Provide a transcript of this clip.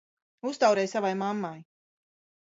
Uztaurē savai mammai!